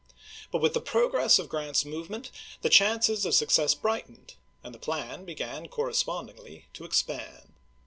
But with the p.' 122. " progress of Grant's movement the chances of suc cess brightened, and the plan began correspond ingly to expand.